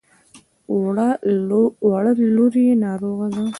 وړه لور يې ناروغه ده.